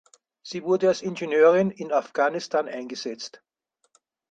Sie wurde als Ingenieurin in Afghanistan eingesetzt.